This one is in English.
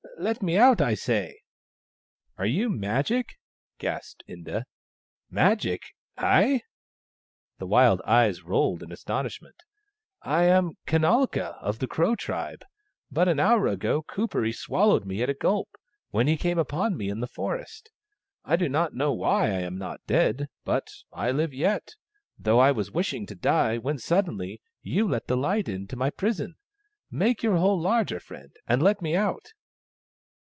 Let me out, I say !"" Are you Magic ?" gasped Inda. " Magic ? I ?" The wild eyes rolled in aston ishment. "I am Kanalka, of the Crow Tribe, But an hour ago Kuperee swallowed me at a gulp, when he came upon me in the forest. I do not know why I am not dead — but I live yet, though I was wishing to die when suddenly you let the light in to my prison. Make your hole larger, friend, and let me out."